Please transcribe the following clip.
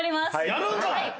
やるんかい！